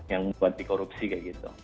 yang buat dikorupsi kayak gitu